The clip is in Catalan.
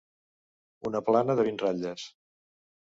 Una plana de vint ratlles.